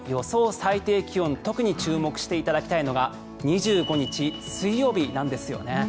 最低気温特に注目していただきたいのが２５日、水曜日なんですよね。